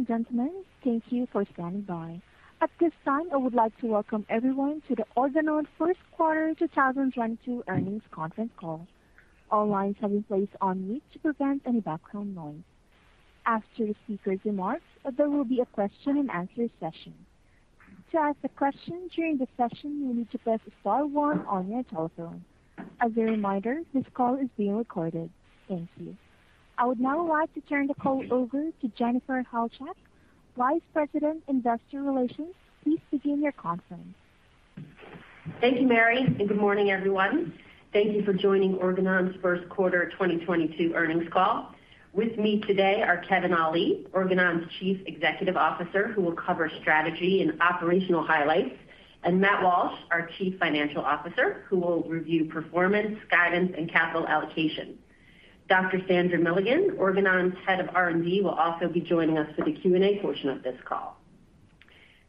Ladies and gentlemen, thank you for standing by. At this time, I would like to welcome everyone to the Organon Q1 2022 Earnings Conference Call. All lines have been placed on mute to prevent any background noise. After the speaker's remarks, there will be a question and answer session. To ask a question during the session, you need to press star one on your telephone. As a reminder, this call is being recorded. Thank you. I would now like to turn the call over to Jennifer Halchak, Vice President, Investor Relations. Please begin your conference. Thank you, Mary, and good morning, everyone. Thank you for joining Organon's Q1 2022 Earnings call. With me today are Kevin Ali, Organon's Chief Executive Officer, who will cover strategy and operational highlights, and Matt Walsh, our Chief Financial Officer, who will review performance, guidance, and capital allocation. Dr. Sandra Milligan, Organon's Head of R&D, will also be joining us for the Q&A portion of this call.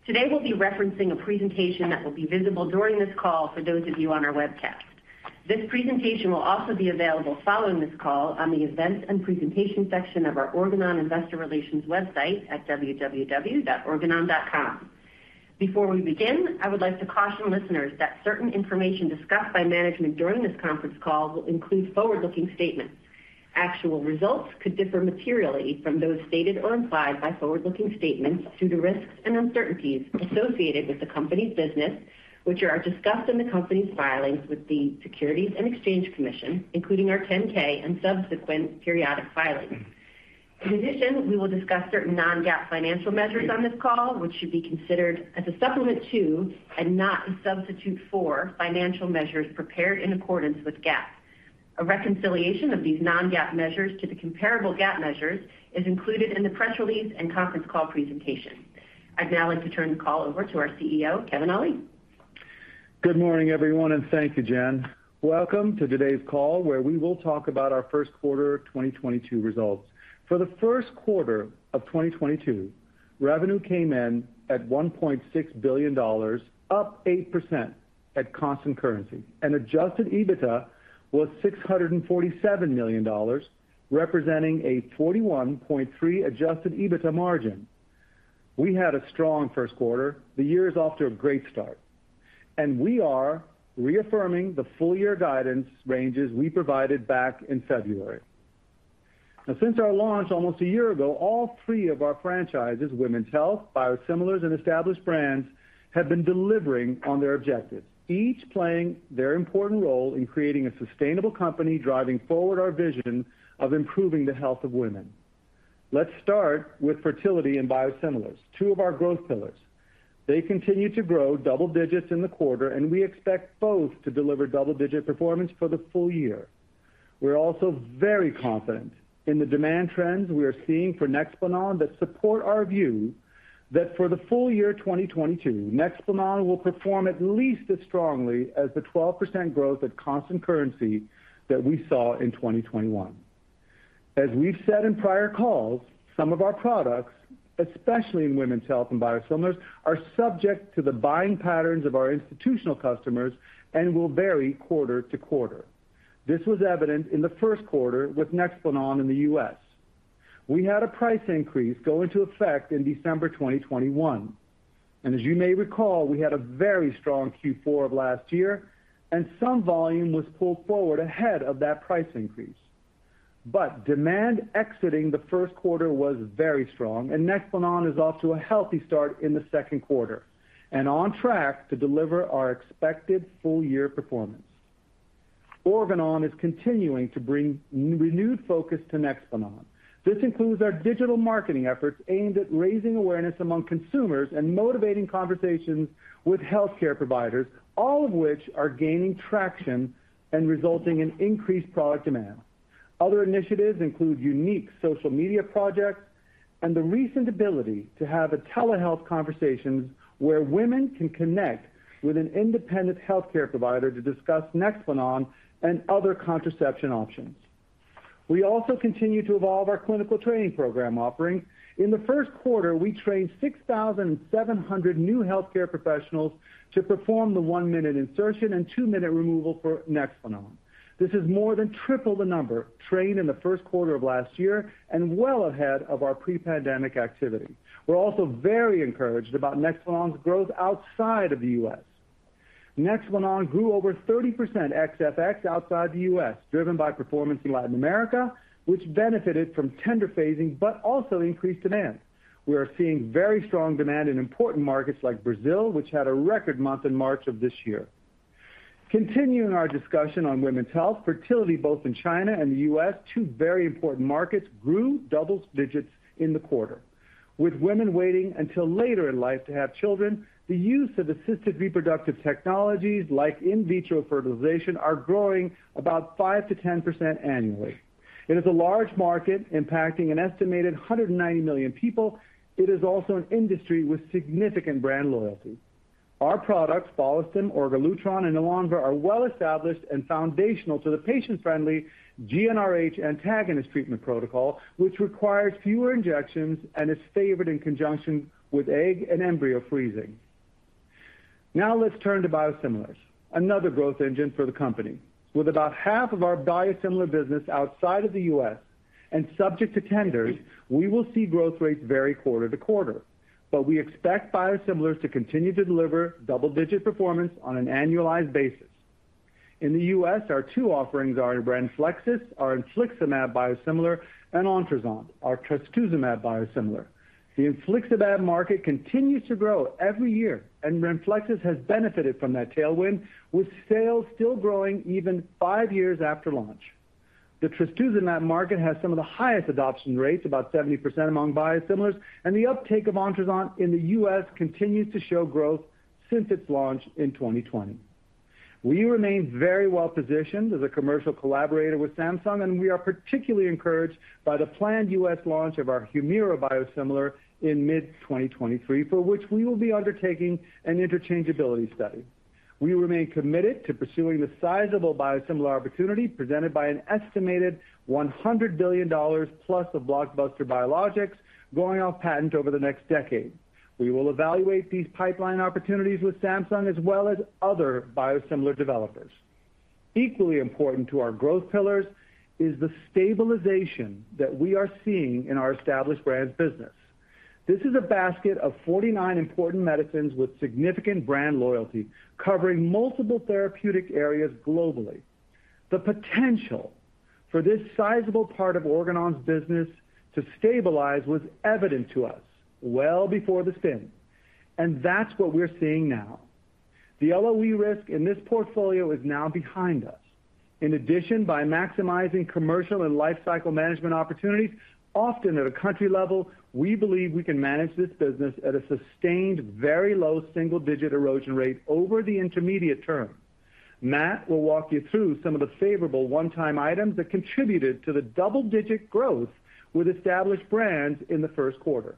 Today, we'll be referencing a presentation that will be visible during this call for those of you on our webcast. This presentation will also be available following this call on the Events and Presentation section of our Organon Investor Relations website at www.organon.com. Before we begin, I would like to caution listeners that certain information discussed by management during this Conference Call will include forward-looking statements. Actual results could differ materially from those stated or implied by forward-looking statements due to risks and uncertainties associated with the company's business, which are discussed in the company's filings with the Securities and Exchange Commission, including our 10-K and subsequent periodic filings. In addition, we will discuss certain non-GAAP financial measures on this call, which should be considered as a supplement to and not a substitute for financial measures prepared in accordance with GAAP. A reconciliation of these non-GAAP measures to the comparable GAAP measures is included in the press release and Conference Call presentation. I'd now like to turn the call over to our CEO, Kevin Ali. Good morning, everyone, and thank you, Jen. Welcome to today's call, where we will talk about our Q1 2022 results. For Q1 of 2022, revenue came in at $1.6 billion, up 8% at constant currency, and adjusted EBITDA was $647 million, representing a 41.3% adjusted EBITDA margin. We had a strong Q1. The year is off to a great start, and we are reaffirming the full-year guidance ranges we provided back in February. Now, since our launch almost a year ago, all three of our franchises, women's health, biosimilars, and established brands, have been delivering on their objectives, each playing their important role in creating a sustainable company driving forward our vision of improving the health of women. Let's start with fertility and biosimilars, two of our growth pillars. They continue to grow double-digits in the quarter, and we expect both to deliver double-digits performance for the full- year. We're also very confident in the demand trends we are seeing for Nexplanon that support our view that for the full- year 2022, Nexplanon will perform at least as strongly as the 12% growth at constant currency that we saw in 2021. As we've said in prior calls, some of our products, especially in women's health and biosimilars, are subject to the buying patterns of our institutional customers and will vary quarter-to-quarter. This was evident in Q1 with Nexplanon in the U.S. We had a price increase go into effect in December 2021. As you may recall, we had a very strong Q4 of last year and some volume was pulled forward ahead of that price increase. Demand exiting Q1 was very strong and NEXPLANON is off to a healthy start in Q2 and on track to deliver our expected full-year performance. Organon is continuing to bring renewed focus to NEXPLANON. This includes our digital marketing efforts aimed at raising awareness among consumers and motivating conversations with healthcare providers, all of which are gaining traction and resulting in increased product demand. Other initiatives include unique social media projects and the recent ability to have a telehealth conversation where women can connect with an independent healthcare provider to discuss NEXPLANON and other contraception options. We also continue to evolve our clinical training program offering. In Q1, we trained 6,700 new healthcare professionals to perform the 1-minute insertion and 2-minute removal for NEXPLANON. This is more than triple the number trained in Q1 of last year and well ahead of our pre-pandemic activity. We're also very encouraged about NEXPLANON's growth outside of the U.S. NEXPLANON grew over 30% ex FX outside the U.S., driven by performance in Latin America, which benefited from tender phasing but also increased demand. We are seeing very strong demand in important markets like Brazil, which had a record month in March of this year. Continuing our discussion on women's health, fertility, both in China and the U.S., two very important markets, grew double-digits in the quarter. With women waiting until later in life to have children, the use of assisted reproductive technologies like in vitro fertilization are growing about 5%-10% annually. It is a large market impacting an estimated 190 million people. It is also an industry with significant brand loyalty. Our products, FOLLISTIM, Orgalutran, and Elonva, are well-established and foundational to the patient-friendly GnRH antagonist treatment protocol, which requires fewer injections and is favored in conjunction with egg and embryo freezing. Now let's turn to biosimilars, another growth engine for the company. With about half of our biosimilar business outside of the U.S. and subject to tenders, we will see growth rates vary quarter-to-quarter. We expect biosimilars to continue to deliver double-digits performance on an annualized basis. In the U.S., our two offerings are RENFLEXIS, our infliximab biosimilar, and Ontruzant, our trastuzumab biosimilar. The infliximab market continues to grow every year, and RENFLEXIS has benefited from that tailwind, with sales still growing even five years after launch. The trastuzumab market has some of the highest adoption rates, about 70% among biosimilars, and the uptake of Ontruzant in the U.S. continues to show growth since its launch in 2020. We remain very well-positioned as a commercial collaborator with Samsung, and we are particularly encouraged by the planned U.S. launch of our Humira biosimilar in mid-2023, for which we will be undertaking an interchangeability study. We remain committed to pursuing the sizable biosimilar opportunity presented by an estimated $100 billion plus of blockbuster biologics going off patent over the next decade. We will evaluate these pipeline opportunities with Samsung as well as other biosimilar developers. Equally important to our growth pillars is the stabilization that we are seeing in our Established Brands business. This is a basket of 49 important medicines with significant brand loyalty covering multiple therapeutic areas globally. The potential for this sizable part of Organon's business to stabilize was evident to us well before the spin, and that's what we're seeing now. The LOE risk in this portfolio is now behind us. In addition, by maximizing commercial and lifecycle management opportunities, often at a country level, we believe we can manage this business at a sustained, very low- single-digit erosion rate over the intermediate term. Matt will walk you through some of the favorable one-time items that contributed to the double-digits growth with Established Brands in Q1.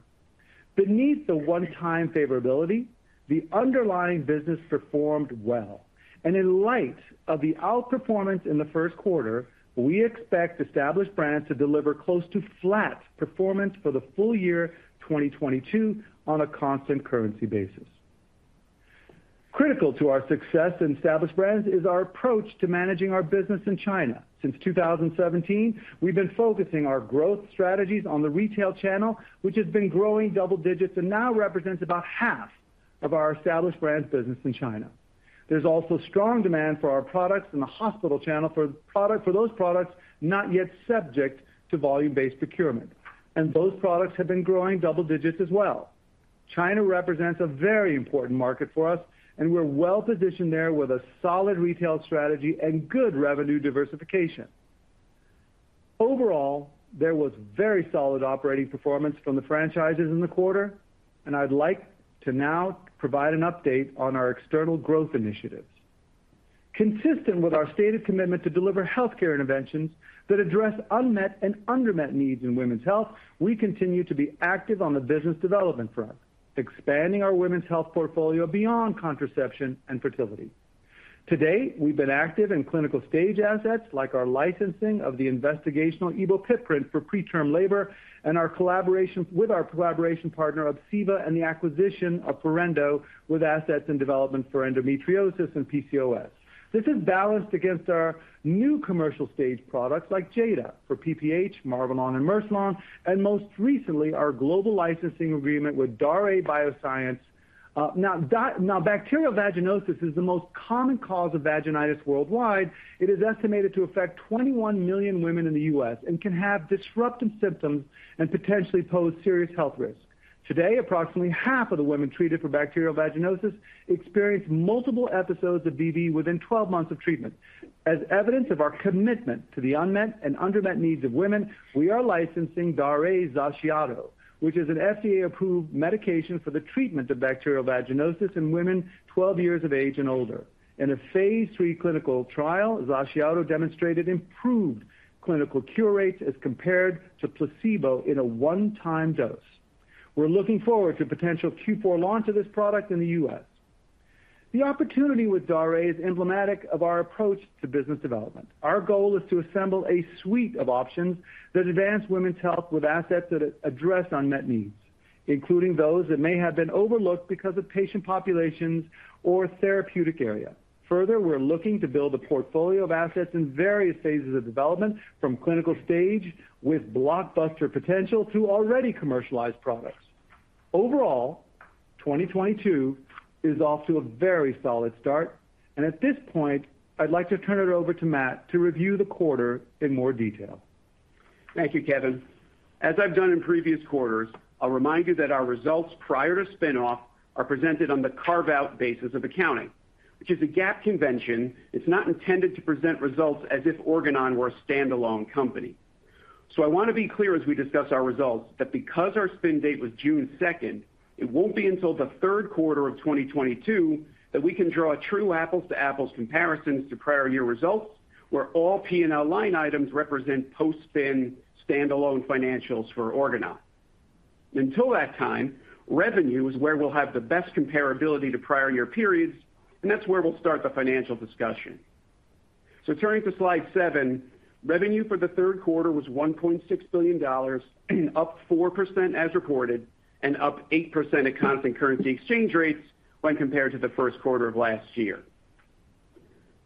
Beneath the one-time favorability, the underlying business performed well. In light of the outperformance in Q1r, we expect Established Brands to deliver close to flat performance for the full-year 2022 on a constant currency basis. Critical to our success in Established Brands is our approach to managing our business in China. Since 2017, we've been focusing our growth strategies on the retail channel, which has been growing double-digits and now represents about half of our Established Brands business in China. There's also strong demand for our products in the hospital channel for those products not yet subject to volume-based procurement, and those products have been growing double-digits as well. China represents a very important market for us, and we're well-positioned there with a solid retail strategy and good revenue diversification. Overall, there was very solid operating performance from the franchises in the quarter, and I'd like to now provide an update on our external growth initiatives. Consistent with our stated commitment to deliver healthcare interventions that address unmet and undermet needs in women's health, we continue to be active on the business development front, expanding our women's health portfolio beyond contraception and fertility. Today, we've been active in clinical stage assets like our licensing of the investigational ebopiprant for preterm labor and our collaboration with our collaboration partner ObsEva and the acquisition of Forendo with assets in development for endometriosis and PCOS. This is balanced against our new commercial stage products like Jada for PPH, Marvelon, and Mercilon, and most recently, our global licensing agreement with Daré Bioscience. Now bacterial vaginosis is the most common cause of vaginitis worldwide. It is estimated to affect 21 million women in the U.S. and can have disruptive symptoms and potentially pose serious health risks. Today, approximately half of the women treated for bacterial vaginosis experience multiple episodes of BV within 12 months of treatment. As evidence of our commitment to the unmet and undermet needs of women, we are licensing Daré XACIATO, which is an FDA-approved medication for the treatment of bacterial vaginosis in women 12 years of age and older. In a phase 3 clinical trial, XACIATO demonstrated improved clinical cure rates as compared to placebo in a one-time dose. We're looking forward to potential Q4 launch of this product in the U.S. The opportunity with Daré is emblematic of our approach to business development. Our goal is to assemble a suite of options that advance women's health with assets that, address unmet needs, including those that may have been overlooked because of patient populations or therapeutic area. Further, we're looking to build a portfolio of assets in various phases of development, from clinical stage with blockbuster potential to already commercialized products. Overall, 2022 is off to a very solid start, and at this point, I'd like to turn it over to Matt to review the quarter in more detail. Thank you, Kevin. As I've done in previous quarters, I'll remind you that our results prior to spin-off are presented on the carve-out basis of accounting, which is a GAAP convention. It's not intended to present results as if Organon were a standalone company. I want to be clear as we discuss our results that because our spin date was June second, it won't be until Q3of 2022 that we can draw true apples to apples comparisons to prior year results, where all P&L line items represent post-spin standalone financials for Organon. Until that time, revenue is where we'll have the best comparability to prior year periods, and that's where we'll start the financial discussion. Turning to slide seven, revenue for Q3 was $1.6 billion, up 4% as reported and up 8% at constant currency exchange rates when compared to Q1 of last year.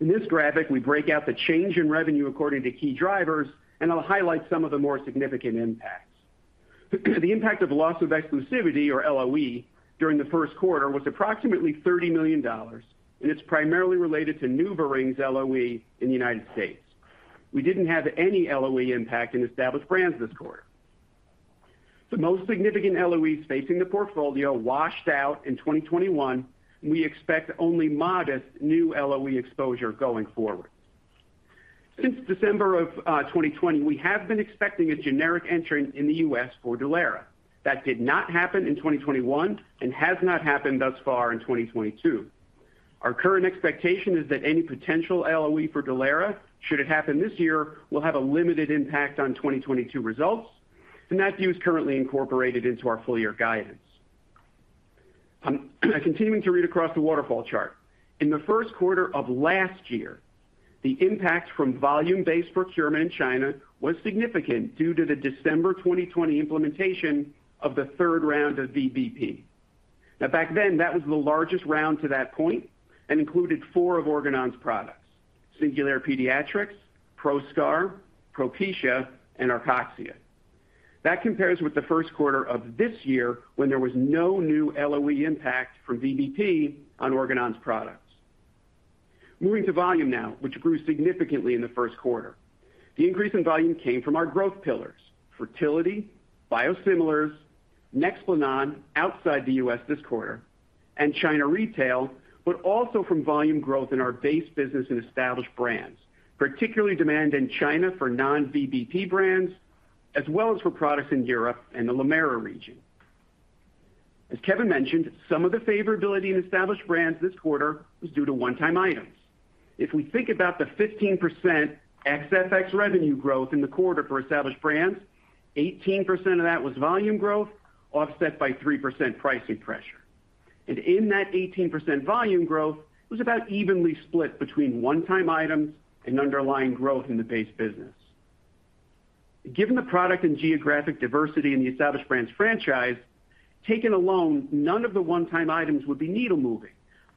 In this graphic, we break out the change in revenue according to key drivers, and I'll highlight some of the more significant impacts. The impact of loss of exclusivity, or LOE, during Q1 was approximately $30 million, and it's primarily-related to NuvaRing's LOE in the United States. We didn't have any LOE impact in established brands this quarter. The most significant LOEs facing the portfolio washed out in 2021, and we expect only modest new LOE exposure going forward. Since December of 2020, we have been expecting a generic entry in the U.S. for Dulera. That did not happen in 2021 and has not happened thus far in 2022. Our current expectation is that any potential LOE for Dulera, should it happen this year, will have a limited impact on 2022 results, and that view is currently incorporated into our full-year guidance. Continuing to read across the waterfall chart. In Q1 of last year, the impact from volume-based procurement in China was significant due to the December 2020 implementation of the third round of VBP. Now back then, that was the largest round to that point and included 4 of Organon's products: Singulair Paediatric, Proscar, Propecia, and Arcoxia. That compares with Q1 of this year when there was no new LOE impact from VBP on Organon's products. Moving to volume now, which grew significantly in Q1. The increase in volume came from our growth pillars, fertility, biosimilars, NEXPLANON outside the U.S. this quarter, and China retail, but also from volume growth in our base business and established brands, particularly demand in China for non-VBP brands, as well as for products in Europe and the LATAM region. As Kevin mentioned, some of the favorability in established brands this quarter was due to one-time items. If we think about the 15% FX revenue growth in the quarter for established brands, 18% of that was volume growth, offset by 3% pricing pressure. In that 18% volume growth, it was about evenly split between one-time items and underlying growth in the base business. Given the product and geographic diversity in the established brands franchise, taken alone, none of the one-time items would be needle moving.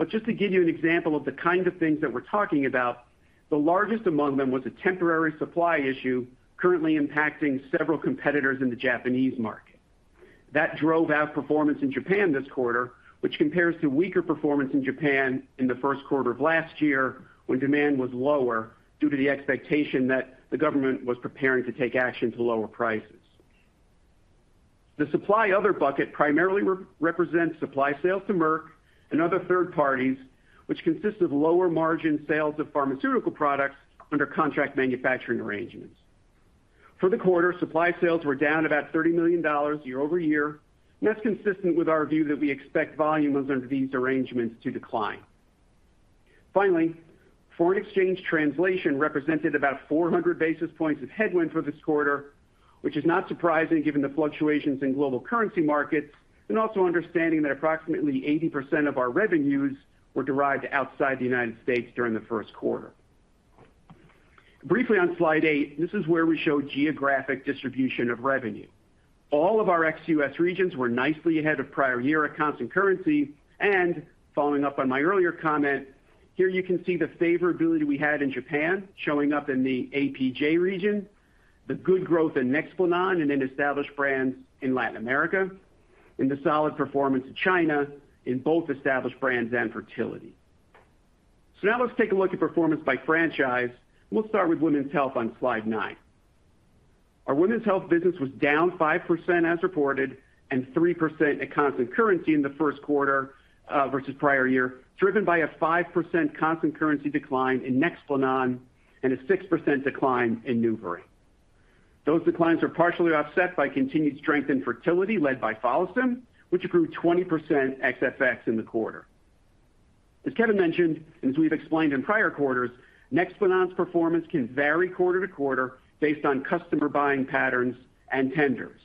Just to give you an example of the kind of things that we're talking about, the largest among them was a temporary supply issue currently impacting several competitors in the Japanese market. That drove our performance in Japan this quarter, which compares to weaker performance in Japan in the first quarter of last year when demand was lower due to the expectation that the government was preparing to take action to lower prices. The supply and other bucket primarily represents supply sales to Merck and other third parties, which consist of lower margin sales of pharmaceutical products under contract manufacturing arrangements. For the quarter, supply sales were down about $30 million year-over-year, and that's consistent with our view that we expect volumes under these arrangements to decline. Finally, foreign exchange translation represented about 400 basis points of headwind for this quarter, which is not surprising given the fluctuations in global currency markets and also understanding that approximately 80% of our revenues were derived outside the United States during Q1. Briefly on slide 8, this is where we show geographic distribution of revenue. All of our ex-US regions were nicely ahead of prior year at constant currency. Following up on my earlier comment, here you can see the favorability we had in Japan showing up in the APJ region, the good growth in NEXPLANON and in established brands in Latin America, and the solid performance in China in both established brands and fertility. Now let's take a look at performance by franchise. We'll start with women's health on slide 9. Our women's health business was down 5% as reported and 3% at constant currency in the Q1 versus prior year, driven by a 5% constant currency decline in NEXPLANON and a 6% decline in NuvaRing. Those declines are partially offset by continued strength in fertility led by FOLLISTIM, which improved 20% FX in the quarter. As Kevin mentioned, and as we've explained in prior quarters, NEXPLANON's performance can vary quarter-to-quarter based on customer buying patterns and tenders.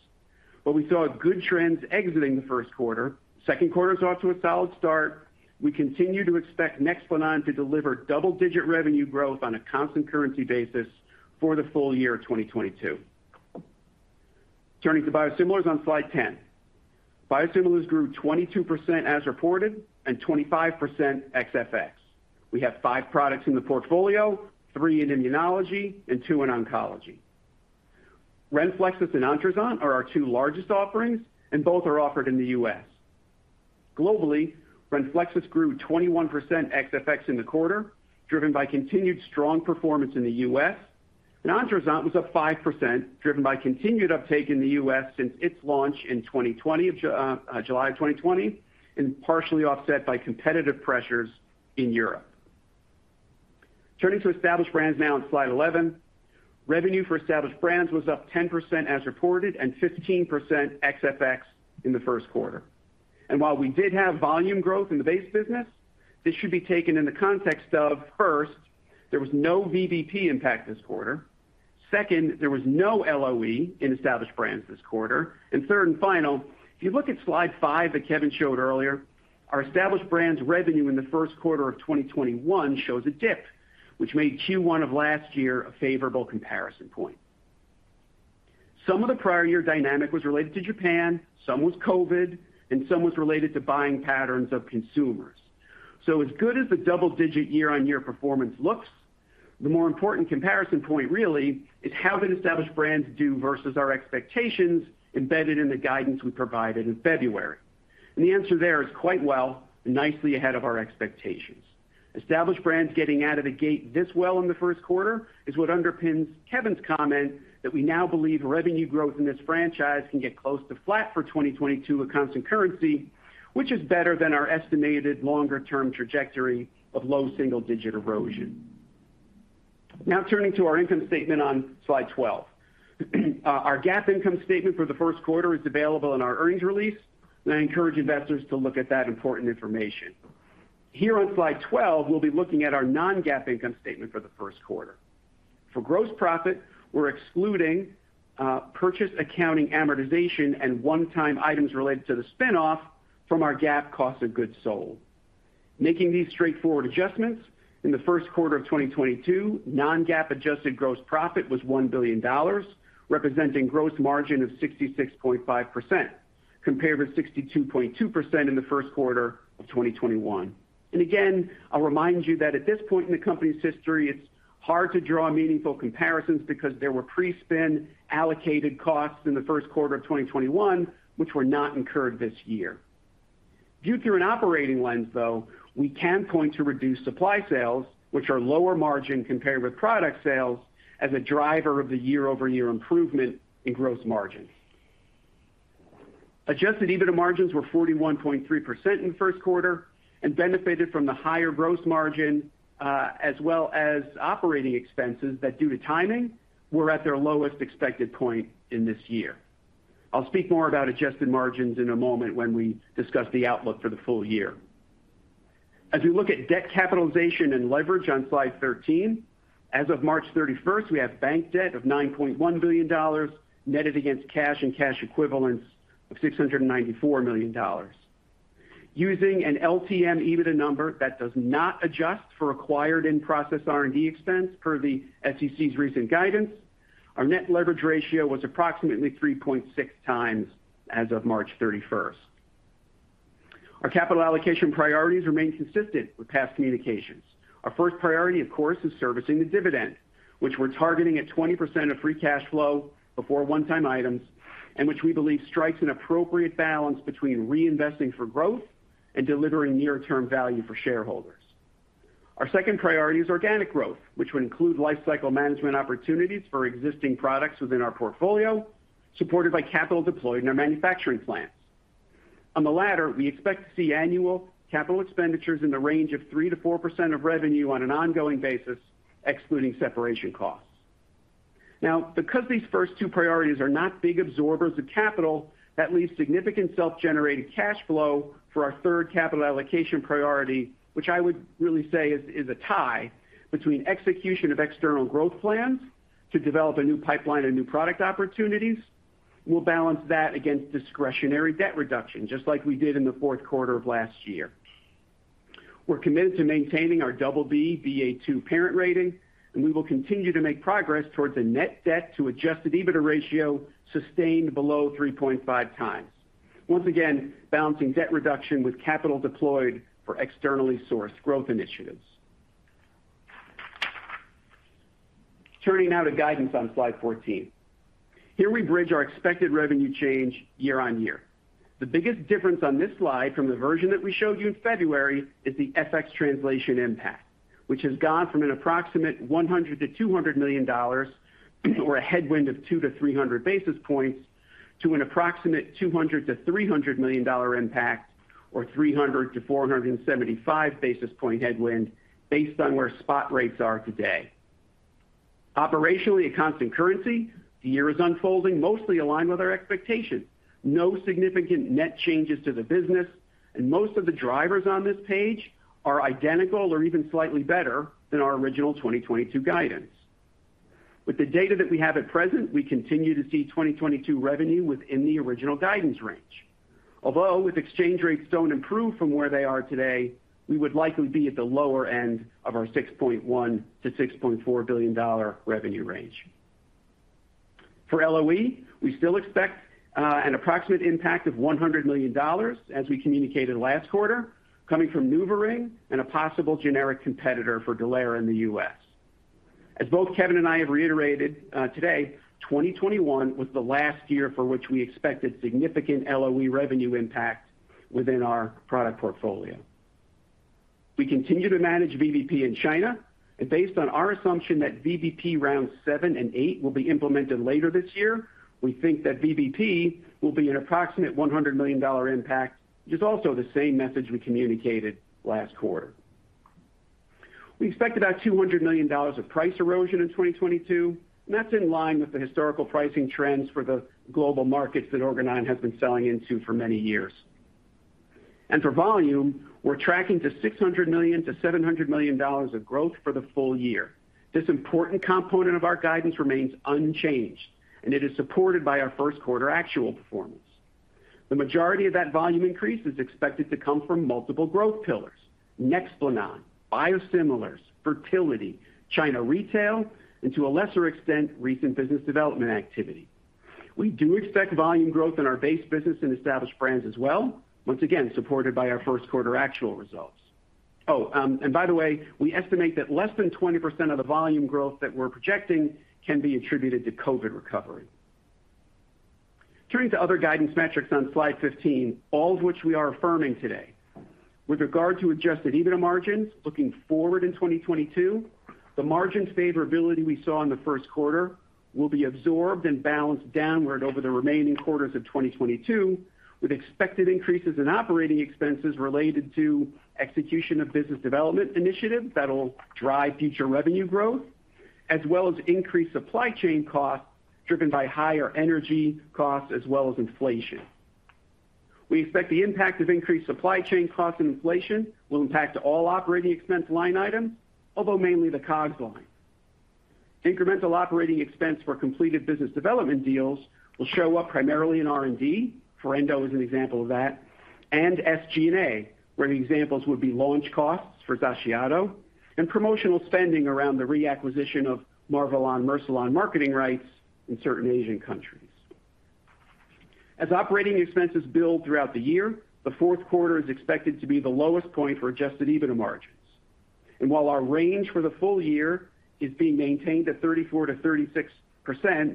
We saw good trends exiting Q1. Q2 is off to a solid start. We continue to expect NEXPLANON to deliver double-digits revenue growth on a constant currency basis for the full-year 2022. Turning to biosimilars on slide 10. Biosimilars grew 22% as reported and 25% FX. We have 5 products in the portfolio, 3 in immunology, and 2 in oncology. RENFLEXIS and Ontruzant are our two largest offerings, and both are offered in the U.S. Globally, RENFLEXIS grew 21% FX in the quarter, driven by continued strong performance in the U.S. Entrezont was up 5%, driven by continued uptake in the U.S. since its launch in July of 2020, and partially offset by competitive pressures in Europe. Turning to established brands now on slide 11. Revenue for established brands was up 10% as reported and 15% FX in Q1. While we did have volume growth in the base business, this should be taken in the context of, first, there was no VBP impact this quarter. Second, there was no LOE in established brands this quarter. Third and final, if you look at slide 5 that Kevin showed earlier, our Established Brands revenue in Q1 of 2021 shows a dip, which made Q1 of last year a favorable comparison point. Some of the prior year dynamic was related to Japan, some was COVID, and some was related to buying patterns of consumers. So as good as the double-digits year-over-year performance looks, the more important comparison point really is how did Established Brands do versus our expectations embedded in the guidance we provided in February. The answer there is quite well and nicely ahead of our expectations. Established Brands getting out of the gate this well in Q1 is what underpins Kevin's comment that we now believe revenue growth in this franchise can get close to flat for 2022 at constant currency, which is better than our estimated longer-term trajectory of low-single-digit erosion. Now turning to our income statement on slide 12. Our GAAP income statement for Q1 is available in our earnings release, and I encourage investors to look at that important information. Here on slide 12, we'll be looking at our non-GAAP income statement for Q1. For gross profit, we're excluding purchase accounting amortization and one-time items-related to the spin-off from our GAAP cost of goods sold. Making these straightforward adjustments, in Q1 of 2022, non-GAAP adjusted gross profit was $1 billion, representing gross margin of 66.5% compared with 62.2% in Q1 of 2021. Again, I'll remind you that at this point in the company's history, it's hard to draw meaningful comparisons because there were pre-spin allocated costs in Q1 of 2021 which were not incurred this year. Viewed through an operating lens, though, we can point to reduced supply sales, which are lower margin compared with product sales as a driver of the year-over-year improvement in gross margin. Adjusted EBITDA margins were 41.3% in Q1 and benefited from the higher gross margin, as well as operating expenses that, due to timing, were at their lowest expected point in this year. I'll speak more about adjusted margins in a moment when we discuss the outlook for the full-year. As we look at debt capitalization and leverage on slide 13, as of March 31, we have bank debt of $9.1 billion netted against cash and cash equivalents of $694 million. Using an LTM EBITDA number that does not adjust for acquired in-process R&D expense per the SEC's recent guidance, our net leverage ratio was approximately 3.6x as of March 31. Our capital allocation priorities remain consistent with past communications. Our first priority, of course, is servicing the dividend, which we're targeting at 20% of free cash flow before one-time items, and which we believe strikes an appropriate balance between reinvesting for growth and delivering near-term value for shareholders. Our second priority is organic growth, which would include lifecycle management opportunities for existing products within our portfolio, supported by capital deployed in our manufacturing plants. On the latter, we expect to see annual capital expenditures in the range of 3%-4% of revenue on an ongoing basis, excluding separation costs. Now, because these first two priorities are not big absorbers of capital, that leaves significant self-generated cash flow for our third capital allocation priority, which I would really say is a tie between execution of external growth plans to develop a new pipeline of new product opportunities. We'll balance that against discretionary debt reduction, just like we did in Q4 of last year. We're committed to maintaining our double-B, Ba2 parent rating, and we will continue to make progress towards a net debt to adjusted EBITDA ratio sustained below 3.5x. Once again, balancing debt reduction with capital deployed for externally sourced growth initiatives. Turning now to guidance on slide fourteen. Here we bridge our expected revenue change year-on-year. The biggest difference on this slide from the version that we showed you in February is the FX translation impact, which has gone from an approximate $100-$200 million or a headwind of 200-300 basis points to an approximate $200-$300 million impact or 300-475 basis point headwind based on where spot rates are today. Operationally, at constant currency, the year is unfolding mostly aligned with our expectations. No significant net changes to the business, and most of the drivers on this page are identical or even slightly better than our original 2022 guidance. With the data that we have at present, we continue to see 2022 revenue within the original guidance range. Although if exchange rates don't improve from where they are today, we would likely be at the lower end of our $6.1-$6.4 billion revenue range. For LOE, we still expect an approximate impact of $100 million, as we communicated last quarter, coming from NuvaRing and a possible generic competitor for Galera in the U.S. As both Kevin and I have reiterated today, 2021 was the last year for which we expected significant LOE revenue impact within our product portfolio. We continue to manage VBP in China, and based on our assumption that VBP rounds 7 and 8 will be implemented later this year, we think that VBP will be an approximate $100 million impact, which is also the same message we communicated last quarter. We expect about $200 million of price erosion in 2022, and that's in line with the historical pricing trends for the global markets that Organon has been selling into for many years. For volume, we're tracking to $600 million-$700 million of growth for the full-year. This important component of our guidance remains unchanged, and it is supported by our Q1 actual performance. The majority of that volume increase is expected to come from multiple growth pillars, Nexplanon, biosimilars, fertility, China retail, and to a lesser extent, recent business development activity. We do expect volume growth in our base business and established brands as well, once again, supported by our Q1 actual results. By the way, we estimate that less than 20% of the volume growth that we're projecting can be attributed to COVID recovery. Turning to other guidance metrics on slide 15, all of which we are affirming today. With regard to adjusted EBITDA margins, looking forward in 2022, the margin favorability we saw in Q1 will be absorbed and balanced downward over the remaining quarters of 2022, with expected increases in operating expenses-related to execution of business development initiatives that'll drive future revenue growth, as well as increased supply chain costs driven by higher energy costs as well as inflation. We expect the impact of increased supply chain costs and inflation will impact all operating expense line items, although mainly the COGS line. Incremental operating expense for completed business development deals will show up primarily in R&D, Forendo is an example of that, and SG&A, where the examples would be launch costs for XACIATO and promotional spending around the reacquisition of Marvelon Mercilon marketing rights in certain Asian countries. As operating expenses build throughout the year, Q4 is expected to be the lowest point for adjusted EBITDA margins. While our range for the full-year is being maintained at 34%-36%,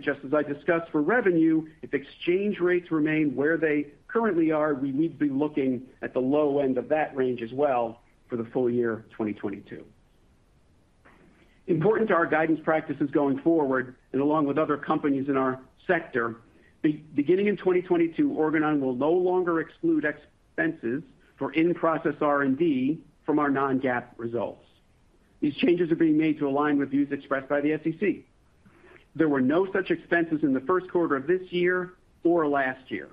just as I discussed for revenue, if exchange rates remain where they currently are, we need to be looking at the low-end of that range as well for the full-year 2022. Important to our guidance practices going forward and along with other companies in our sector, beginning in 2022, Organon will no longer exclude expenses for in-process R&D from our non-GAAP results. These changes are being made to align with views expressed by the SEC. There were no such expenses in Q1 of this year or last year.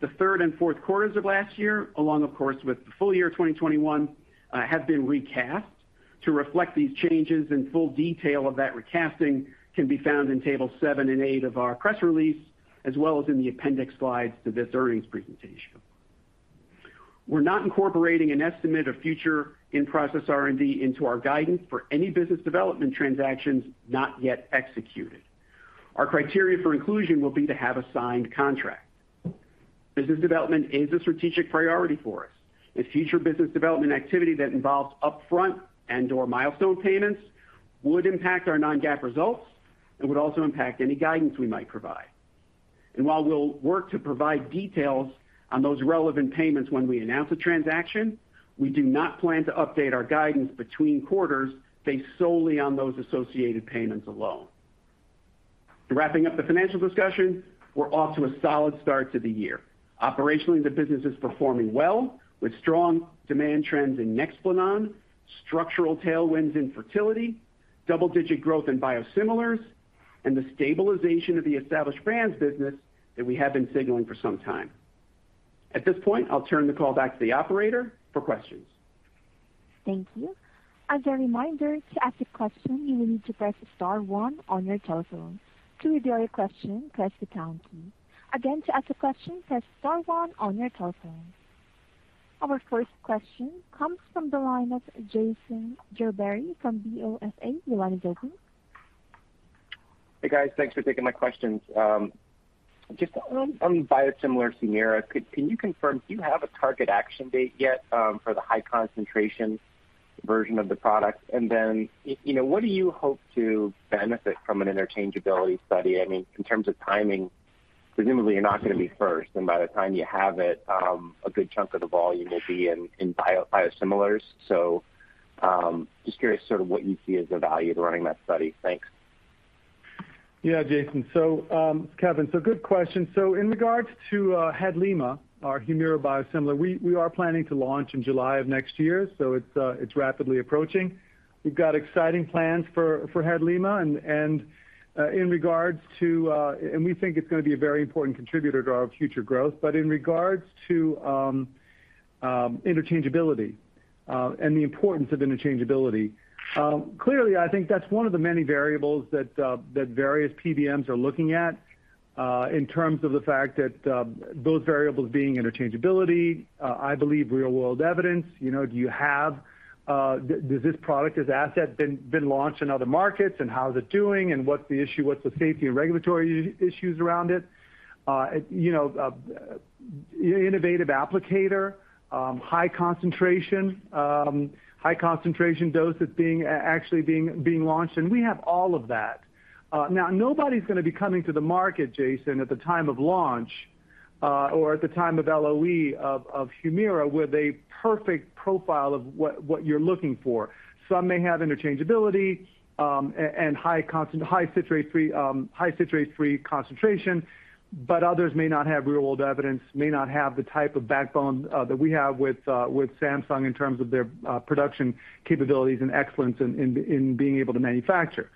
The Q3 and Q4 of last year, along with, of course, the full-year 2021, have been recast to reflect these changes and full detail of that recasting can be found in tables 7 and 8 of our press release, as well as in the appendix slides to this earnings presentation. We're not incorporating an estimate of future in-process R&D into our guidance for any business development transactions not yet executed. Our criteria for inclusion will be to have a signed contract. Business development is a strategic priority for us. A future business development activity that involves upfront and/or milestone payments would impact our non-GAAP results and would also impact any guidance we might provide. While we'll work to provide details on those relevant payments when we announce a transaction, we do not plan to update our guidance between quarters based solely on those associated payments alone. Wrapping up the financial discussion, we're off to a solid start to the year. Operationally, the business is performing well with strong demand trends in NEXPLANON, structural tailwinds in fertility, double-digits growth in biosimilars, and the stabilization of the established brands business that we have been signaling for some time. At this point, I'll turn the call back to the operator for questions. Thank you. As a reminder, to ask a question, you will need to press star one on your telephone. To withdraw your question, press the pound key. Again, to ask a question, press star one on your telephone. Our first question comes from the line of Jason Gerberry from BofA. You want to go ahead. Hey, guys. Thanks for taking my questions. Just on biosimilar Humira, can you confirm, do you have a target action date yet for the high-concentration version of the product? You know, what do you hope to benefit from an interchangeability study? I mean, in terms of timing, presumably you're not gonna be first, and by the time you have it, a good chunk of the volume will be in biosimilars. Just curious sort of what you see as the value of running that study. Thanks. Yeah, Jason. Kevin. Good question. In regards to Hadlima, our Humira biosimilar, we are planning to launch in July of next year, so it's rapidly approaching. We've got exciting plans for Hadlima and we think it's gonna be a very important contributor to our future growth. But in regards to interchangeability and the importance of interchangeability, clearly, I think that's one of the many variables that various PBMs are looking at in terms of the fact that those variables being interchangeability, I believe real-world evidence. You know, does this product, this asset been launched in other markets, and how is it doing, and what's the safety and regulatory issues around it? You know, innovative applicator, high-concentration dose is actually being launched, and we have all of that. Now nobody's gonna be coming to the market, Jason, at the time of launch or at the time of LOE of Humira with a perfect profile of what you're looking for. Some may have interchangeability and high citrate-free concentration. others may not have real-world evidence, may not have the type of backbone that we have with Samsung in terms of their production capabilities and excellence in being able to manufacture.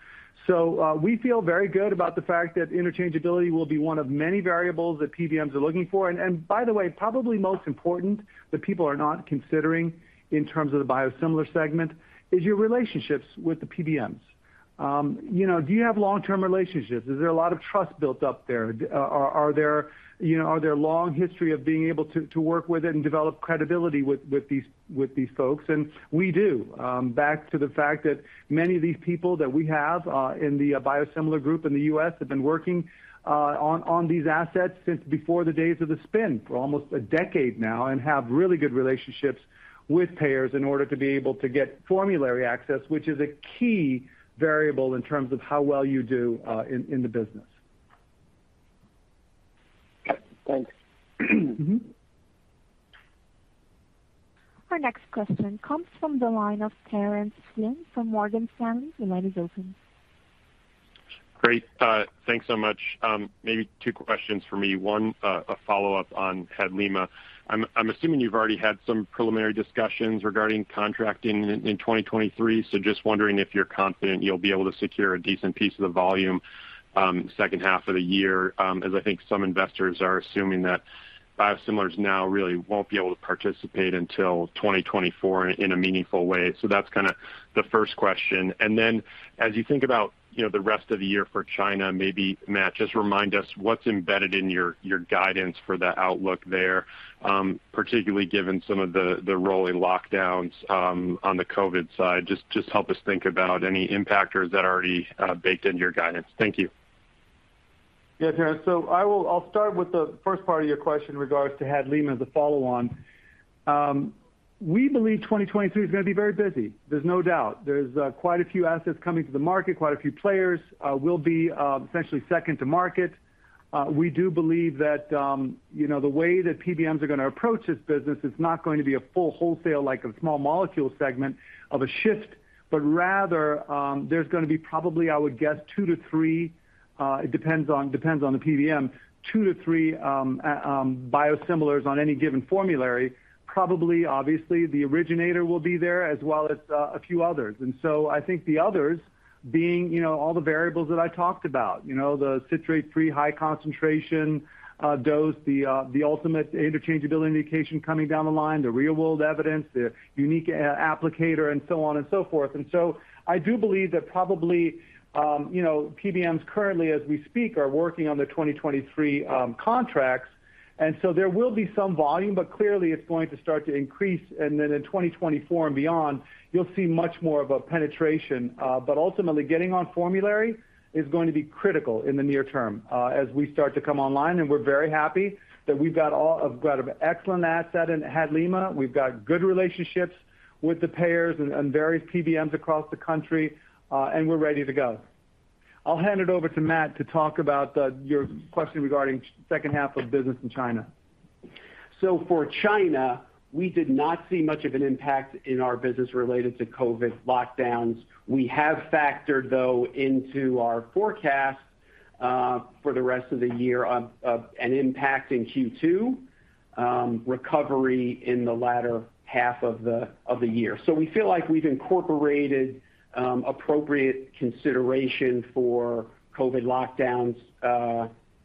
We feel very good about the fact that interchangeability will be one of many variables that PBMs are looking for. By the way, probably most important that people are not considering in terms of the biosimilar segment is your relationships with the PBMs. You know, do you have long-term relationships? Is there a lot of trust built up there? Are there long history of being able to work with and develop credibility with these folks? We do. Back to the fact that many of these people that we have in the biosimilar group in the U.S. have been working on these assets since before the days of the spin, for almost a decade now, and have really good relationships with payers in order to be able to get formulary access, which is a key variable in terms of how well you do in the business. Thanks. Mm-hmm. Our next question comes from the line of Terence Flynn from Morgan Stanley. Your line is open. Great. Thanks so much. Maybe 2 questions from me. One, a follow-up on Hadlima. I'm assuming you've already had some preliminary discussions regarding contracting in 2023, so just wondering if you're confident you'll be able to secure a decent piece of the volume, second half of the year, as I think some investors are assuming that biosimilars now really won't be able to participate until 2024 in a meaningful way. That's kinda the first question. Then as you think about, you know, the rest of the year for China, maybe Matt, just remind us what's embedded in your guidance for the outlook there, particularly given some of the rolling lockdowns on the COVID side. Just help us think about any impactors that are already baked into your guidance. Thank you. Yeah, Terrence. I'll start with the first part of your question in regards to Hadlima, the follow on. We believe 2023 is gonna be very busy. There's no doubt. There's quite a few assets coming to the market, quite a few players. We'll be essentially second to market. We do believe that, you know, the way that PBMs are gonna approach this business is not going to be a full wholesale, like a small molecule segment of a shift, but rather, there's gonna be probably, I would guess, 2-3, it depends on the PBM, 2-3 biosimilars on any given formulary. Probably, obviously, the originator will be there as well as a few others. I think the others being, you know, all the variables that I talked about. You know, the citrate-free high-concentration dose, the ultimate interchangeability indication coming down the line, the real world evidence, the unique applicator and so on and so forth. I do believe that probably, you know, PBMs currently as we speak, are working on the 2023 contracts. There will be some volume, but clearly it's going to start to increase, and then in 2024 and beyond, you'll see much more of a penetration. But ultimately getting on formulary is going to be critical in the near term, as we start to come online, and we're very happy that we've got an excellent asset in Hadlima. We've got good relationships with the payers and various PBMs across the country, and we're ready to go. I'll hand it over to Matt to talk about your question regarding second half of business in China. For China, we did not see much of an impact in our business related to COVID lockdowns. We have factored, though, into our forecast for the rest of the year of an impact in Q2, recovery in the latter half of the year. We feel like we've incorporated appropriate consideration for COVID lockdowns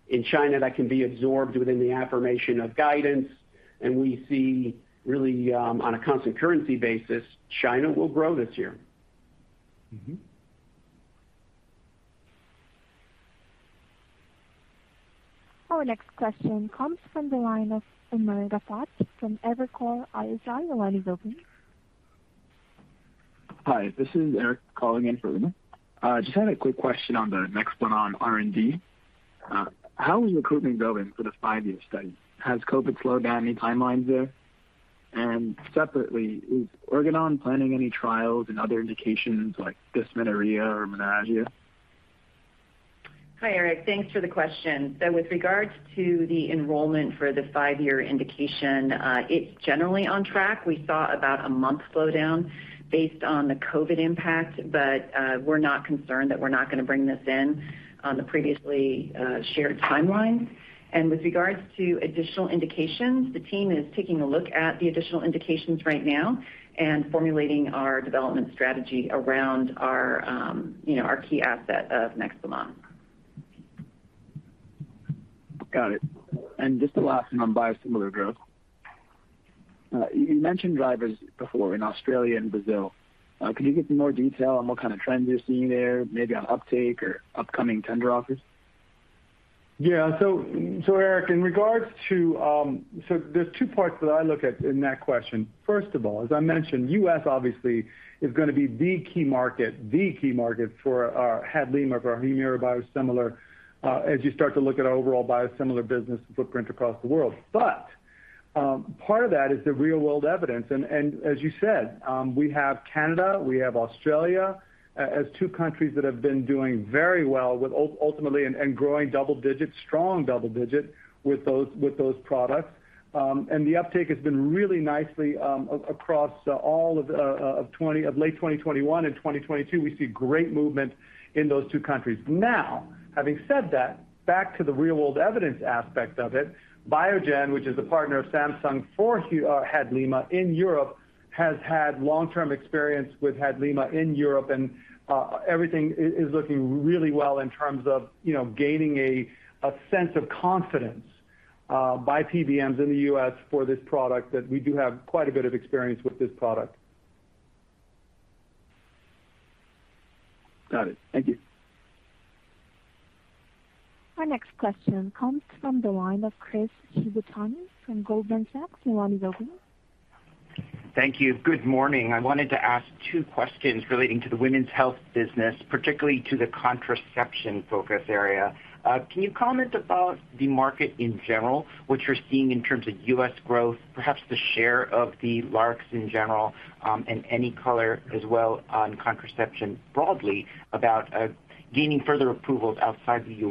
in China that can be absorbed within the affirmation of guidance, and we see really on a constant currency basis, China will grow this year. Mm-hmm. Our next question comes from the line of Umer Raffat from Evercore ISI. Your line is open. Hi, this is Eric calling in for Umer. Just had a quick question on the Nexplanon R&D. How is recruitment going for the five-year study? Has COVID slowed down any timelines there? Separately, is Organon planning any trials in other indications like dysmenorrhea or menorrhagia? Hi, Eric. Thanks for the question. With regards to the enrollment for the five-year indication, it's generally on track. We saw about a month slowdown based on the COVID impact, but we're not concerned that we're not gonna bring this in on the previously shared timeline. With regards to additional indications, the team is taking a look at the additional indications right now and formulating our development strategy around our you know our key asset of Nexplanon. Got it. Just the last one on biosimilar growth. You mentioned drivers before in Australia and Brazil. Can you give some more detail on what kind of trends you're seeing there, maybe on uptake or upcoming tender offers? Eric, in regards to. There's two parts that I look at in that question. First of all, as I mentioned, U.S. obviously is gonna be the key market, the key market for our Hadlima, for our Humira biosimilar, as you start to look at our overall biosimilar business footprint across the world. Part of that is the real-world evidence and, as you said, we have Canada, we have Australia as two countries that have been doing very well with ultimately and growing double-digits, strong double-digits with those products. The uptake has been really nicely across all of late 2021 and 2022. We see great movement in those two countries. Now, having said that, back to the real world evidence aspect of it, Biogen, which is a partner of Samsung for Hadlima in Europe, has had long-term experience with Hadlima in Europe, and everything is looking really well in terms of, you know, gaining a sense of confidence by PBMs in the U.S. for this product that we do have quite a bit of experience with this product. Got it. Thank you. Our next question comes from the line of Chris Shibutani from Goldman Sachs. Your line is open. Thank you. Good morning. I wanted to ask two questions relating to the women's health business, particularly to the contraception focus area. Can you comment about the market in general, what you're seeing in terms of U.S. growth, perhaps the share of the LARC in general, and any color as well on contraception broadly about gaining further approvals outside the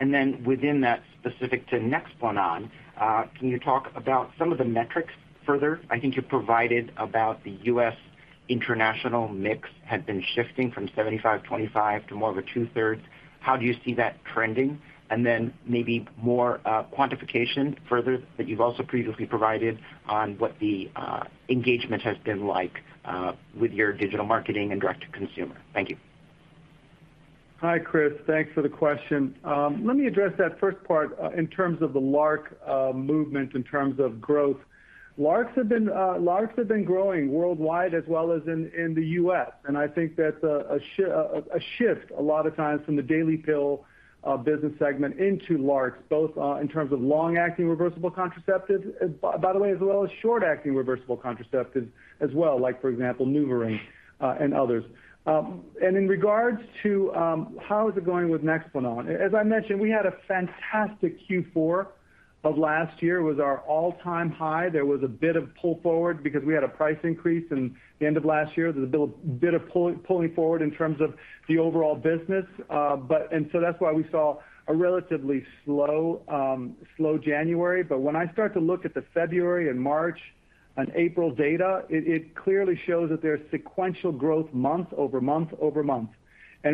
U.S.? Then within that specific to NEXPLANON, can you talk about some of the metrics further? I think you provided about the U.S. international mix had been shifting from 75/25 to more of a 2/3. How do you see that trending? Then maybe more quantification further that you've also previously provided on what the engagement has been like with your digital marketing and direct-to-consumer. Thank you. Hi, Chris. Thanks for the question. Let me address that first part in terms of the LARC movement in terms of growth. LARCs have been growing worldwide as well as in the U.S., and I think that's a shift a lot of times from the daily pill business segment into LARCs, both in terms of long-acting reversible contraceptives by the way as well as short-acting reversible contraceptives as well, like for example, NuvaRing and others. In regards to how is it going with NEXPLANON? As I mentioned, we had a fantastic Q4 of last year. It was our all-time high. There was a bit of pull forward because we had a price increase in the end of last year. There was a bit of pulling forward in terms of the overall business. That's why we saw a relatively slow January. When I start to look at the February and March and April data, it clearly shows that there's sequential growth month-over-month.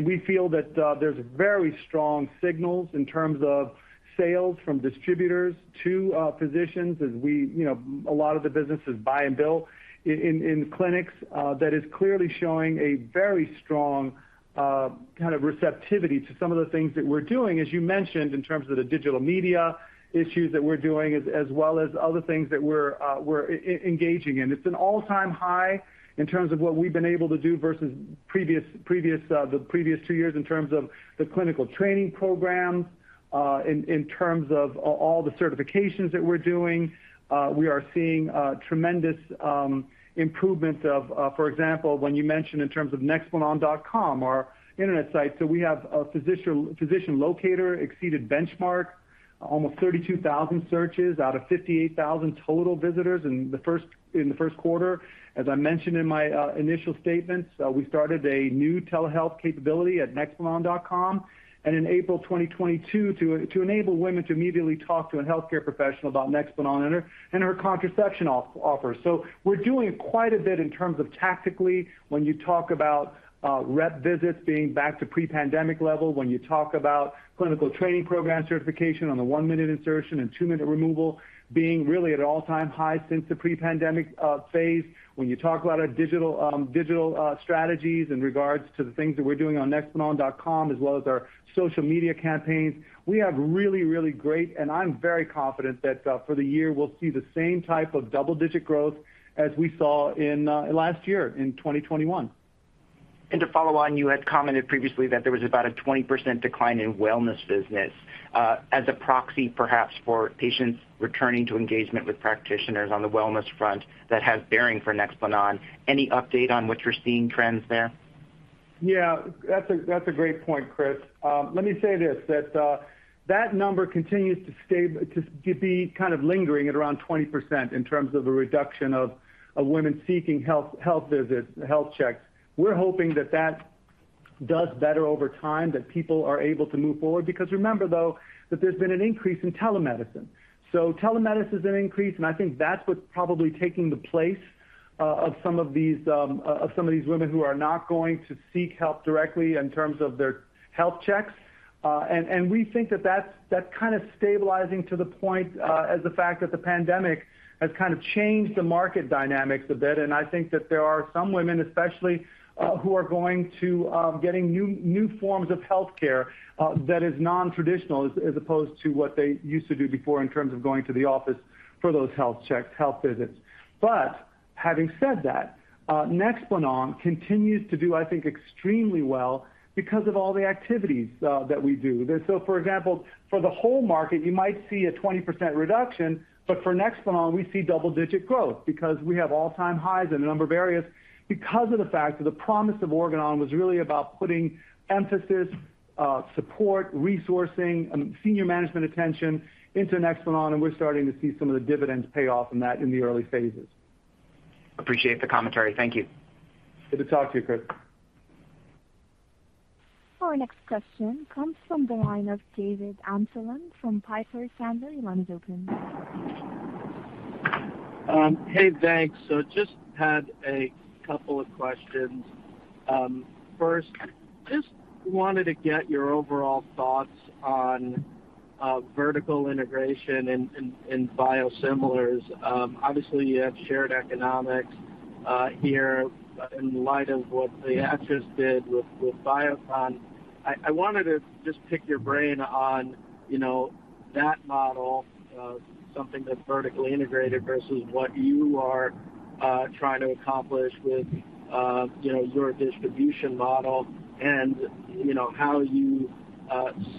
We feel that there's very strong signals in terms of sales from distributors to physicians as we, you know, a lot of the business is buy and bill in clinics that is clearly showing a very strong kind of receptivity to some of the things that we're doing, as you mentioned, in terms of the digital media initiatives that we're doing as well as other things that we're engaging in. It's an all-time high in terms of what we've been able to do versus the previous two years in terms of the clinical training program, in terms of all the certifications that we're doing. We are seeing tremendous improvements of, for example, when you mention in terms of Nexplanon.com, our internet site. We have a physician locator exceeded benchmark, almost 32,000 searches out of 58,000 total visitors in Q1. As I mentioned in my initial statements, we started a new telehealth capability at Nexplanon.com in April 2022 to enable women to immediately talk to a healthcare professional about Nexplanon and her contraception offer. We're doing quite a bit in terms of tactically when you talk about rep visits being back to pre-pandemic level, when you talk about clinical training program certification on the 1-minute insertion and 2-minute removal being really at an all-time high since the pre-pandemic phase. When you talk about our digital strategies in regards to the things that we're doing on Nexplanon.com, as well as our social media campaigns, we have really great. I'm very confident that for the year, we'll see the same type of double-digits growth as we saw in last year in 2021. To follow on, you had commented previously that there was about a 20% decline in wellness business, as a proxy perhaps for patients returning to engagement with practitioners on the wellness front that has bearing for NEXPLANON. Any update on what you're seeing trends there? That's a great point, Chris. Let me say this, that number continues to stay to be kind of lingering at around 20% in terms of a reduction of women seeking health visits, health checks. We're hoping that does better over time, that people are able to move forward because remember, though, that there's been an increase in telemedicine. Telemedicine is an increase, and I think that's what's probably taking the place of some of these women who are not going to seek help directly in terms of their health checks. We think that that's kind of stabilizing to the point, in fact, that the pandemic has kind of changed the market dynamics a bit, and I think that there are some women especially who are getting new forms of healthcare that is non-traditional as opposed to what they used to do before in terms of going to the office for those health checks, health visits. Having said that, NEXPLANON continues to do, I think, extremely well because of all the activities that we do. For example, for the whole market, you might see a 20% reduction, but for Nexplanon, we see double-digits growth because we have all-time highs in a number of areas because of the fact that the promise of Organon was really about putting emphasis, support, resourcing, and senior management attention into Nexplanon, and we're starting to see some of the dividends pay off in that in the early phases. Appreciate the commentary. Thank you. Good to talk to you, Chris. Our next question comes from the line of David Amsellem from Piper Sandler. Your line is open. Hey, thanks. Just had a couple of questions. First, just wanted to get your overall thoughts on vertical integration in biosimilars. Obviously you have shared economics here in light of what Viatris did with Biocon. I wanted to just pick your brain on, you know, that model of something that's vertically integrated versus what you are trying to accomplish with, you know, your distribution model and you know, how you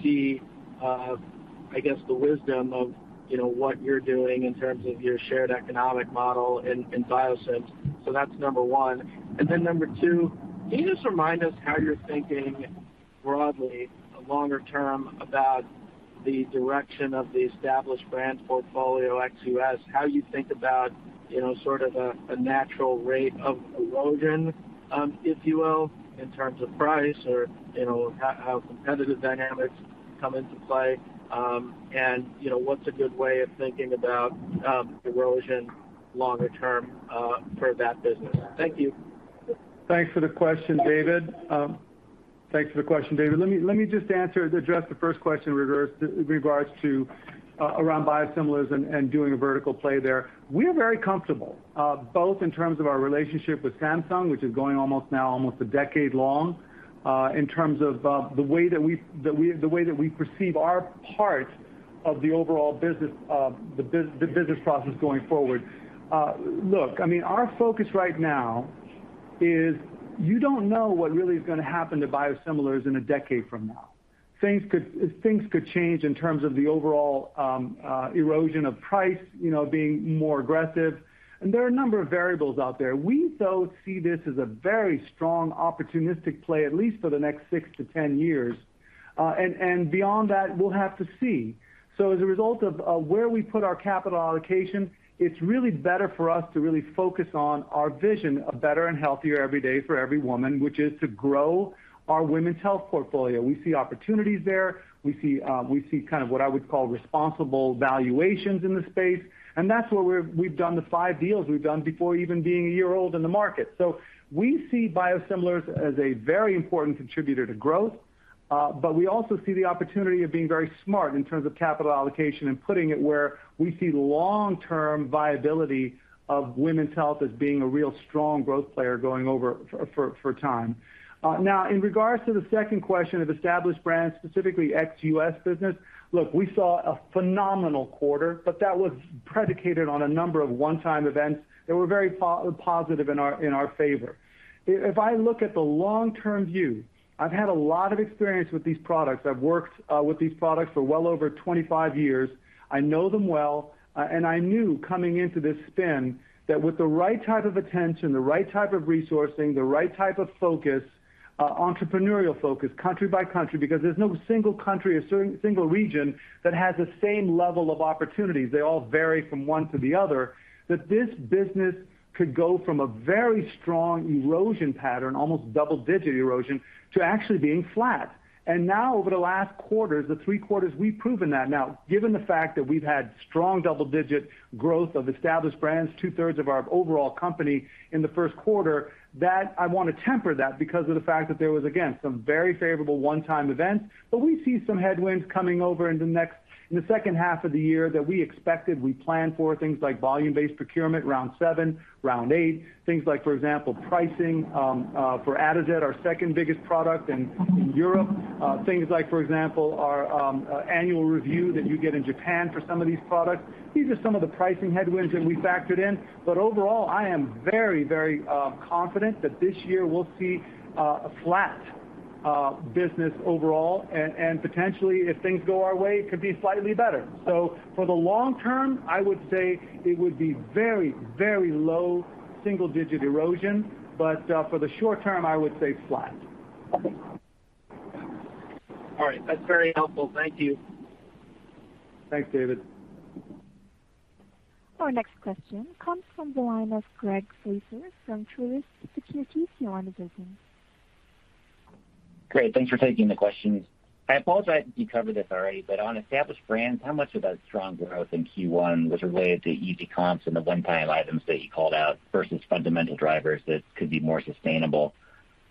see, I guess the wisdom of, you know, what you're doing in terms of your shared economic model in biosims. That's number one. Number two, can you just remind us how you're thinking broadly longer term about the direction of the established brand portfolio ex-US, how you think about, you know, sort of a natural rate of erosion, if you will, in terms of price or, you know, how competitive dynamics come into play, and you know, what's a good way of thinking about erosion longer term for that business? Thank you. Thanks for the question, David. Let me just address the first question in regards to around biosimilars and doing a vertical play there. We are very comfortable both in terms of our relationship with Samsung, which is going almost a decade long, in terms of the way that we perceive our part of the overall business, the business process going forward. Look, I mean, our focus right now is you don't know what really is gonna happen to biosimilars in a decade from now. Things could change in terms of the overall erosion of price, you know, being more aggressive. There are a number of variables out there. We do see this as a very strong opportunistic play, at least for the next 6-10 years. Beyond that, we'll have to see. As a result of where we put our capital allocation, it's really better for us to really focus on our vision, a better and healthier every day for every woman, which is to grow our women's health portfolio. We see opportunities there. We see kind of what I would call responsible valuations in the space. That's where we've done the 5 deals before even being a year old in the market. We see biosimilars as a very important contributor to growth. We also see the opportunity of being very smart in terms of capital allocation and putting it where we see long-term viability of women's health as being a real strong growth player going over for time. Now in regards to the second question of established brands, specifically ex-U.S. business. Look, we saw a phenomenal quarter, but that was predicated on a number of one-time events that were very positive in our favor. If I look at the long-term view, I've had a lot of experience with these products. I've worked with these products for well over 25 years. I know them well, and I knew coming into this spin that with the right type of attention, the right type of resourcing, the right type of focus, entrepreneurial focus, country by country, because there's no single country or single region that has the same level of opportunities, they all vary from one to the other, that this business could go from a very strong erosion pattern, almost double-digits erosion, to actually being flat. Now over the last quarters, the 3 quarters we've proven that. Now given the fact that we've had strong double-digits growth of established brands, two-thirds of our overall company in Q1, that I wanna temper that because of the fact that there was again, some very favorable one-time events. We see some headwinds coming over in the second half of the year that we expected, we planned for things like volume-based procurement, round seven, round eight. Things like for example, pricing for Atozet, our second biggest product in Europe. Things like for example, our annual review that you get in Japan for some of these products. These are some of the pricing headwinds that we factored in. Overall, I am very confident that this year we'll see a flat business overall and potentially if things go our way, it could be slightly better. For the long-term, I would say it would be very low-single-digit erosion, but for the short-term, I would say flat. All right. That's very helpful. Thank you. Thanks, David. Our next question comes from the line of Gregory Fraser from Truist Securities. Great. Thanks for taking the questions. I apologize if you covered this already, but on established brands, how much of that strong growth in Q1 was related to easy comps and the one-time items that you called out versus fundamental drivers that could be more sustainable?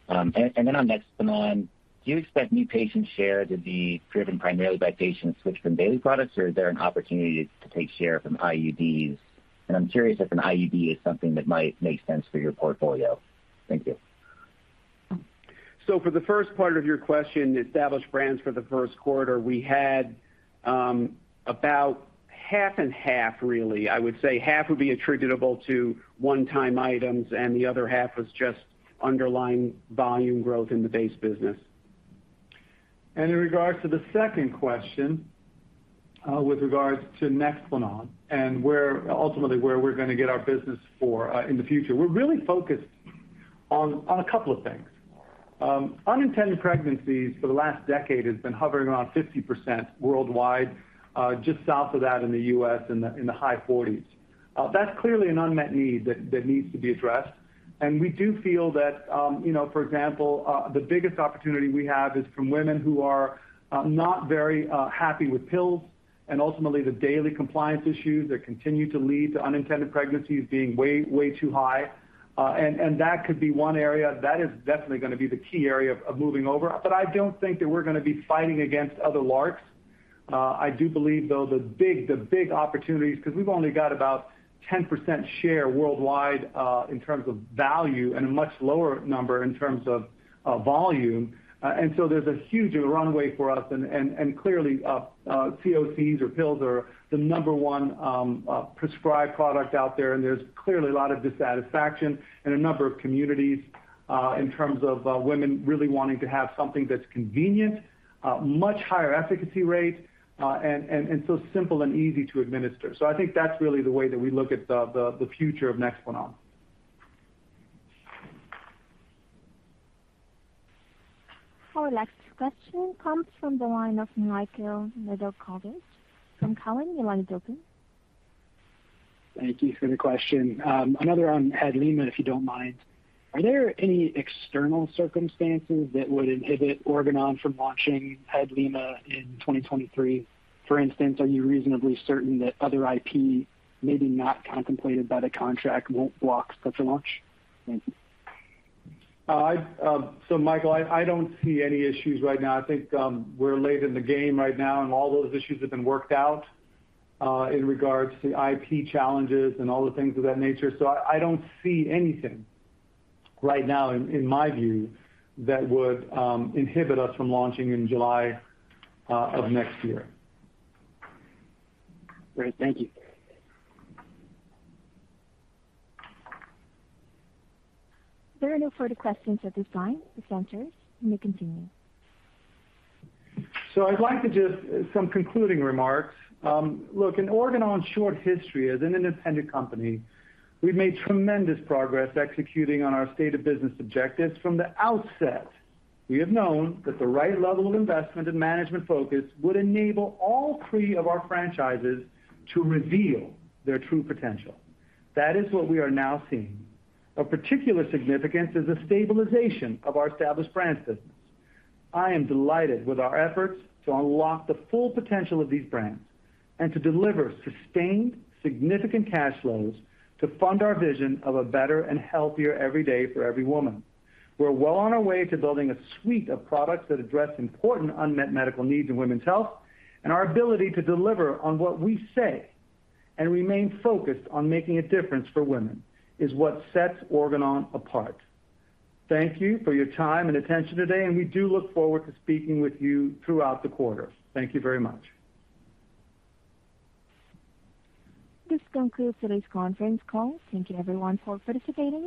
On NEXPLANON, do you expect new patient share to be driven primarily by patients switched from daily products or is there an opportunity to take share from IUDs? I'm curious if an IUD is something that might make sense for your portfolio. Thank you. For the first part of your question, established brands for Q1, we had about half and half really. I would say half would be attributable to one-time items, and the other half was just underlying volume growth in the base business. In regards to the second question, with regards to NEXPLANON and where ultimately where we're gonna get our business for in the future. We're really focused on a couple of things. Unintended pregnancies for the last decade has been hovering around 50% worldwide, just south of that in the U.S. in the high 40s. That's clearly an unmet need that needs to be addressed. We do feel that the biggest opportunity we have is from women who are not very happy with pills. Ultimately, the daily compliance issues that continue to lead to unintended pregnancies being way too high. That could be one area. That is definitely gonna be the key area of moving over. I don't think that we're gonna be fighting against other LARCs. I do believe, though, the big opportunities, 'cause we've only got about 10% share worldwide in terms of value and a much lower number in terms of volume. There's a huge runway for us and clearly, COCs or pills are the number one prescribed product out there, and there's clearly a lot of dissatisfaction in a number of communities in terms of women really wanting to have something that's convenient, much higher efficacy rate, and so simple and easy to administer. I think that's really the way that we look at the future of NEXPLANON. Our last question comes from the line of Michael Nedelcovych, Cowen. Cowen, your line is open. Thank you for the question. Another on Hadlima, if you don't mind. Are there any external circumstances that would inhibit Organon from launching Hadlima in 2023? For instance, are you reasonably certain that other IP maybe not contemplated by the contract won't block such a launch? Thank you. Michael, I don't see any issues right now. I think we're late in the game right now, and all those issues have been worked out, in regards to IP challenges and all the things of that nature. I don't see anything right now in my view, that would inhibit us from launching in July of next year. Great. Thank you. There are no further questions at this time. Presenters, you may continue. I'd like to just some concluding remarks. Look, in Organon's short history as an independent company, we've made tremendous progress executing on our state of business objectives from the outset. We have known that the right level of investment and management focus would enable all three of our franchises to reveal their true potential. That is what we are now seeing. Of particular significance is the stabilization of our established brands business. I am delighted with our efforts to unlock the full potential of these brands and to deliver sustained, significant cash flows to fund our vision of a better and healthier every day for every woman. We're well on our way to building a suite of products that address important unmet medical needs in women's health, and our ability to deliver on what we say and remain focused on making a difference for women is what sets Organon apart. Thank you for your time and attention today, and we do look forward to speaking with you throughout the quarter. Thank you very much. This concludes today's Conference Call. Thank you everyone for participating.